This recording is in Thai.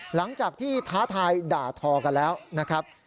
หลังจากที่ท้าทายด่าทอกันแล้วนะครับ